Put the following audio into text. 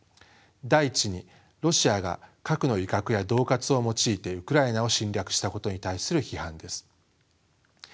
第１にロシアが核の威嚇や恫喝を用いてウクライナを侵略したことに対する批判です。